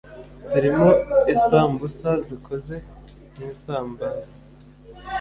turimo isambusa zikoze mu isambaza